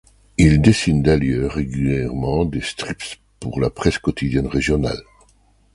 Il dessine d'ailleurs régulièrement des strips pour la presse quotidienne régionale.